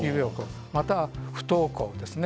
または不登校ですね。